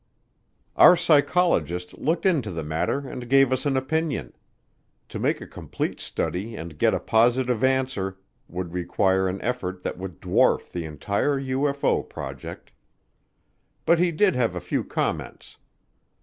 Our psychologist looked into the matter and gave us an opinion to make a complete study and get a positive answer would require an effort that would dwarf the entire UFO project. But he did have a few comments.